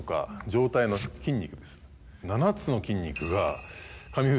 ７つの筋肉が。